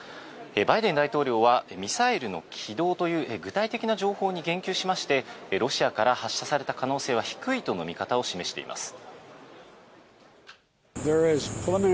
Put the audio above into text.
バイデン大統領は、ミサイルの軌道という具体的な情報に言及しまして、ロシアから発射された可能性は低いとの見方を示しています。